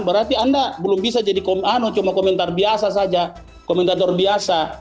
berarti anda belum bisa jadi cuma komentar biasa saja komentator biasa